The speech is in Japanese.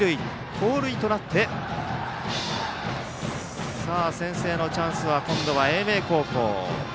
盗塁となって、さあ先制のチャンス、今度は英明高校。